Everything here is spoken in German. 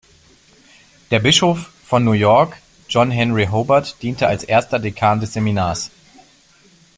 Der Bischof von New York, John Henry Hobart, diente als erster Dekan des Seminars.